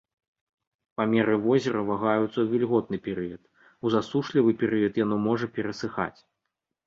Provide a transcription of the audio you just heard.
Памеры возера вагаюцца ў вільготны перыяд, у засушлівы перыяд яно можа перасыхаць.